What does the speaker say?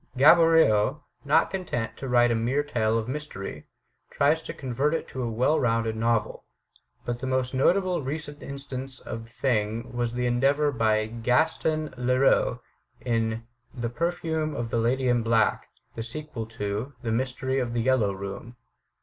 Gaboriau, not content to write a mere tale of mystery, tried to convert it into a well rounded novel. But the most notable recent instance of the thing was the endeavor of Gaston Leroux in "The Perfume of the Lady in Black," the sequel to "The Mystery of the Yellow Room."